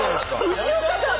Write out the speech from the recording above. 藤岡さん